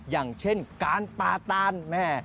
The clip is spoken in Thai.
อย่างเช่นการปาตานแม่